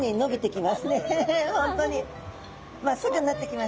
まっすぐになってきましたね。